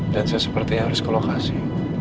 dan saya sepertinya harus ke lokasi